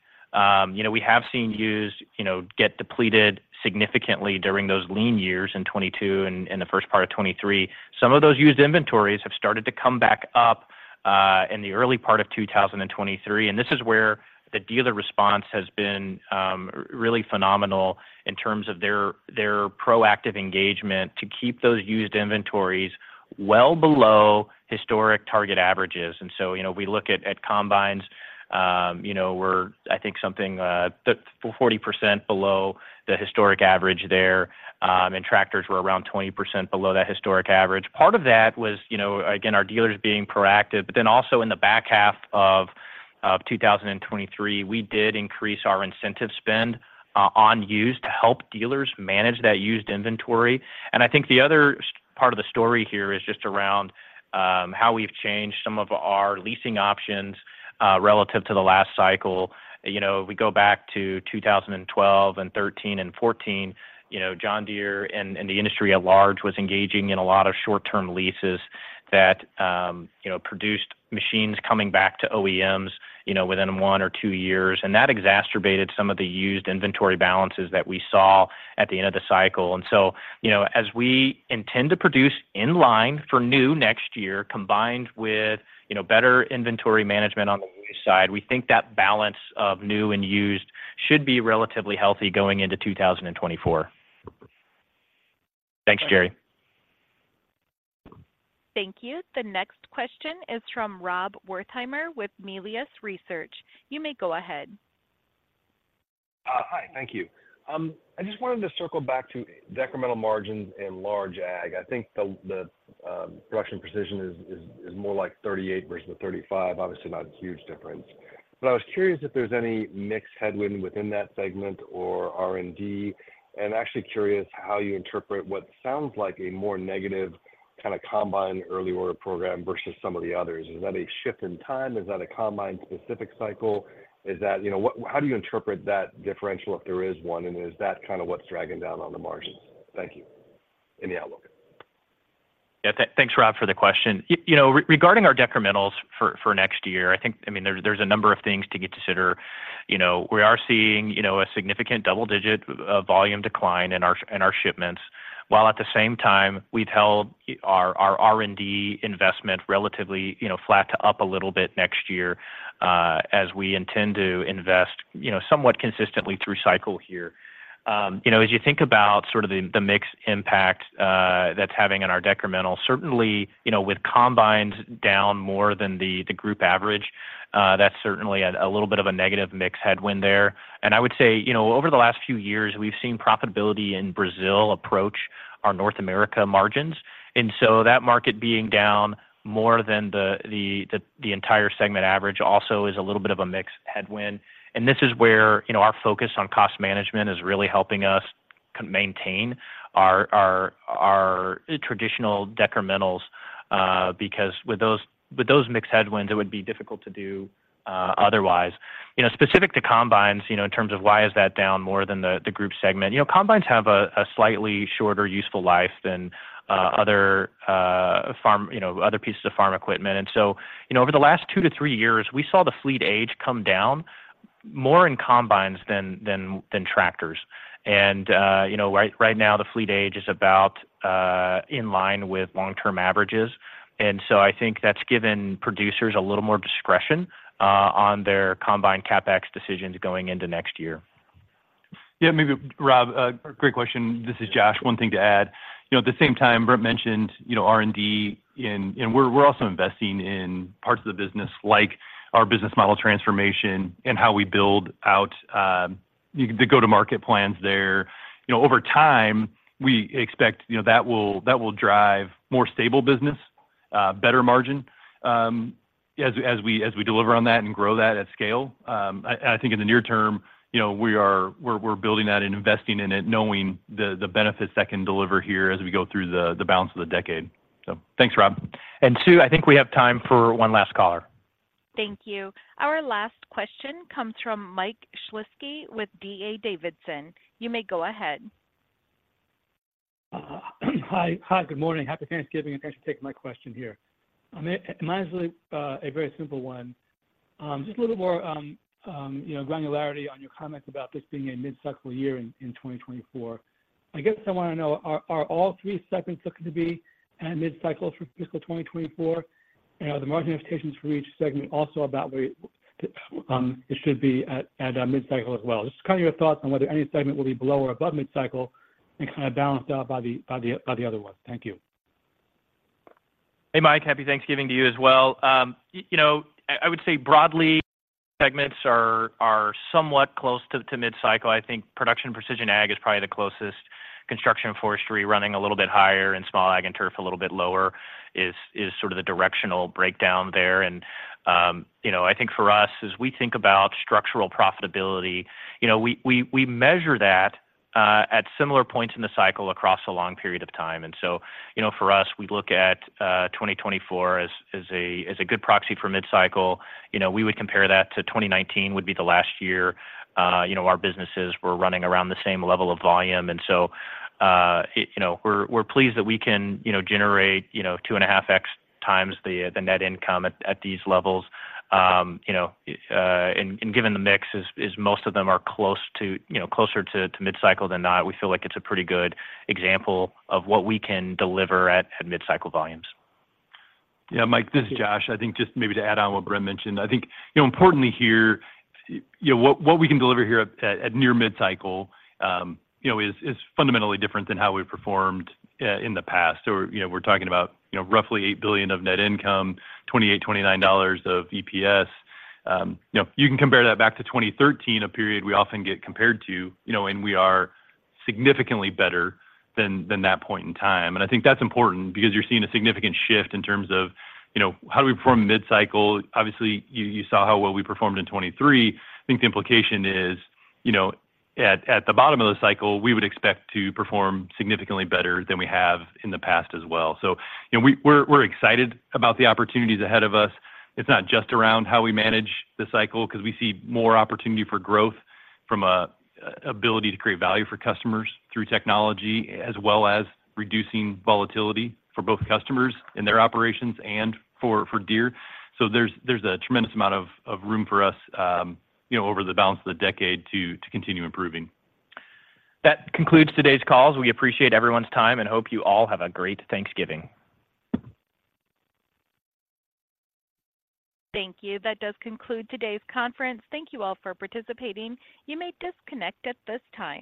you know, we have seen used, you know, get depleted significantly during those lean years in 2022 and the first part of 2023. Some of those used inventories have started to come back up in the early part of 2023, and this is where the dealer response has been really phenomenal in terms of their proactive engagement to keep those used inventories well below historic target averages. And so, you know, we look at combines, you know, we're, I think, something 40% below the historic average there, and tractors were around 20% below that historic average. Part of that was, you know, again, our dealers being proactive, but then also in the back half of 2023, we did increase our incentive spend on used to help dealers manage that used inventory. And I think the other part of the story here is just around how we've changed some of our leasing options relative to the last cycle. You know, if we go back to 2012 and 13 and 14, you know, John Deere and the industry at large was engaging in a lot of short-term leases that, you know, produced machines coming back to OEMs, you know, within one or two years. And that exacerbated some of the used inventory balances that we saw at the end of the cycle. So, you know, as we intend to produce in line for new next year, combined with, you know, better inventory management on the used side, we think that balance of new and used should be relatively healthy going into 2024. Thanks, Jerry. Thank you. The next question is from Rob Wertheimer with Melius Research. You may go ahead. Hi. Thank you. I just wanted to circle back to decremental margins in Large Ag. I think the production precision is more like 38 versus the 35. Obviously, not a huge difference. I was curious if there's any mixed headwind within that segment or R&D. I'm actually curious how you interpret what sounds like a more negative kind of combine early order program versus some of the others. Is that a shift in time? Is that a combine-specific cycle? Is that... You know, what, how do you interpret that differential, if there is one, and is that kind of what's dragging down on the margins? Thank you. In the outlook. Yeah. Thanks, Rob, for the question. You know, regarding our decrementals for next year, I think, I mean, there's a number of things to consider. You know, we are seeing a significant double-digit volume decline in our shipments. While at the same time, we've held our R&D investment relatively flat to up a little bit next year, as we intend to invest somewhat consistently through the cycle here. You know, as you think about the mix impact that's having on our decremental, certainly with combines down more than the group average, that's certainly a little bit of a negative mix headwind there. And I would say, you know, over the last few years, we've seen profitability in Brazil approach our North America margins. And so that market being down more than the entire segment average also is a little bit of a mix headwind. And this is where, you know, our focus on cost management is really helping us maintain our traditional decrementals, because with those mix headwinds, it would be difficult to do otherwise. You know, specific to combines, you know, in terms of why is that down more than the group segment? You know, combines have a slightly shorter useful life than other pieces of farm equipment. And so, you know, over the last 2-three years, we saw the fleet age come down more in combines than tractors. And, you know, right now, the fleet age is about in line with long-term averages. And so I think that's given producers a little more discretion on their combine CapEx decisions going into next year. Yeah, maybe, Rob, great question. This is Josh. One thing to add, you know, at the same time, Brent mentioned, you know, R&D, and we're also investing in parts of the business, like our business model transformation and how we build out the go-to-market plans there. You know, over time, we expect, you know, that will drive more stable business, better margin, as we deliver on that and grow that at scale. And I think in the near term, you know, we're building that and investing in it, knowing the benefits that can deliver here as we go through the balance of the decade. So thanks, Rob. And Sue, I think we have time for one last caller. Thank you. Our last question comes from Mike Shlisky with D.A. Davidson. You may go ahead. Hi, hi, good morning. Happy Thanksgiving, and thanks for taking my question here. Mine is a very simple one. Just a little more, you know, granularity on your comments about this being a midcycle year in 2024. I guess I wanna know, are all three segments looking to be at midcycle for fiscal 2024? And are the margin expectations for each segment also about where it should be at midcycle as well? Just kind of your thoughts on whether any segment will be below or above midcycle and kinda balanced out by the other ones. Thank you. Hey, Mike, Happy Thanksgiving to you as well. You know, I would say broadly, segments are somewhat close to midcycle. I think Production Precision Ag is probably the closest. Construction and Forestry running a little bit higher, and Small Ag and Turf a little bit lower is sort of the directional breakdown there. You know, I think for us, as we think about structural profitability, you know, we measure that at similar points in the cycle across a long period of time. And so, you know, for us, we look at 2024 as a good proxy for midcycle. You know, we would compare that to 2019 would be the last year, you know, our businesses were running around the same level of volume. And so, you know, we're pleased that we can, you know, generate, you know, 2.5x times the net income at these levels. You know, and given the mix, as most of them are close to, you know, closer to midcycle than not, we feel like it's a pretty good example of what we can deliver at midcycle volumes. Yeah, Mike, this is Josh. I think just maybe to add on what Brent mentioned, I think, you know, importantly here, you know, what we can deliver here at near midcycle, you know, is fundamentally different than how we've performed in the past. So, you know, we're talking about, you know, roughly $8 billion of net income, $28-$29 of EPS. You know, you can compare that back to 2013, a period we often get compared to, you know, and we are significantly better than that point in time. And I think that's important because you're seeing a significant shift in terms of, you know, how do we perform midcycle? Obviously, you saw how well we performed in 2023. I think the implication is, you know, at the bottom of the cycle, we would expect to perform significantly better than we have in the past as well. So, you know, we're excited about the opportunities ahead of us. It's not just around how we manage the cycle, 'cause we see more opportunity for growth from a ability to create value for customers through technology, as well as reducing volatility for both customers in their operations and for Deere. So there's a tremendous amount of room for us, you know, over the balance of the decade to continue improving. That concludes today's call. We appreciate everyone's time and hope you all have a great Thanksgiving. Thank you. That does conclude today's conference. Thank you all for participating. You may disconnect at this time.